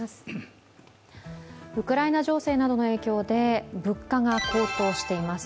ウクライナ情勢などの影響で物価が高騰しています。